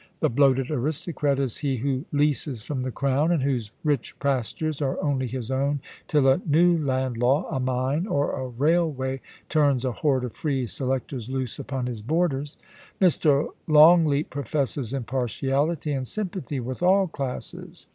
The bloated aristocrat is he who leases from the Crown, and whose rich pastures are only his own till a new land law, a mine, or a railway turns a horde of free selectors loose upon his borders. Mr. Longleat professes impartiality and sympathy with all classes.